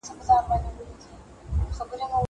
دا خبري له هغو روښانه دي!